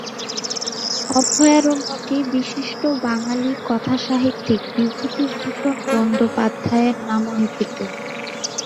অভয়ারণ্যটি বিশিষ্ট বাঙালি কথাসাহিত্যিক বিভূতিভূষণ বন্দ্যোপাধ্যায়ের নামাঙ্কিত।